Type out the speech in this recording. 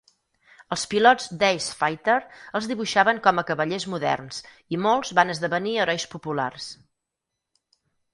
Els pilots d'Ace Fighter els dibuixaven com a cavallers moderns i molts van esdevenir herois populars